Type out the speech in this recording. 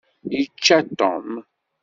Yečča Tom.